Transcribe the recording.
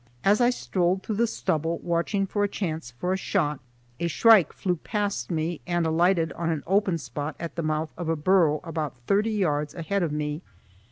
As I strolled through the stubble watching for a chance for a shot, a shrike flew past me and alighted on an open spot at the mouth of a burrow about thirty yards ahead of me.